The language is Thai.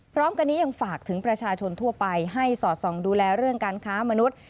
พร้อมกันนี้ยังฝากถึงประชาชนทั่วไปให้สอดส่องดูแลเรื่องการค้ามนุษย์